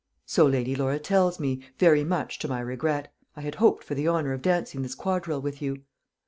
"So Lady Laura tells me very much to my regret. I had hoped for the honour of dancing this quadrille with you."